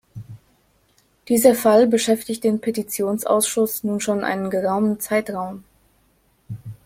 Dieser Fall beschäftigt den Petitionsausschuss nun schon einen geraumen Zeitraum.